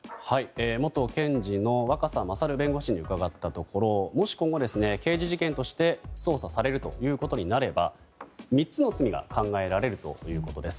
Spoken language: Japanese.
元検事の若狭勝弁護士に伺ったところもし今後、刑事事件として捜査されるということになれば３つの罪が考えられるということです。